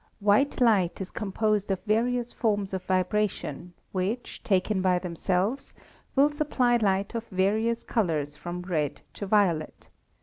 White light is composed of various forms of vibration which, taken by themselves, will supply light of various colors from red to violet.